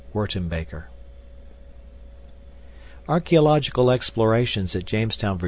WERTENBAKER Archeological explorations at Jamestown, Va.